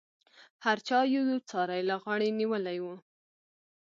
هر چا یو یو څاری له غاړې نیولی و.